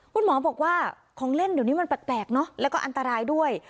คุณหมอบอกว่าของเล่นเดี๋ยวนี้มันแปลกเนอะแล้วก็อันตรายด้วย